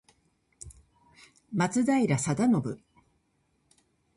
松平定信